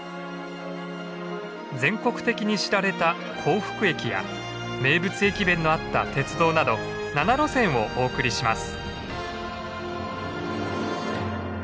全国的に知られた幸福駅や名物駅弁のあった鉄道など７路線をお送りします。